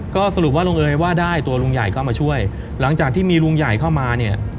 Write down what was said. ก็สรุปว่าลุงเอ๋ยว่าได้ตัวลุงใหญ่เข้ามาช่วยหลังจากที่มีลุงใหญ่เข้ามาเนี่ย